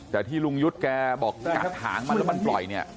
แต่ที่ลุงยุทธ์แกบอกกัดหางมันแล้วมันปล่อยเนี่ย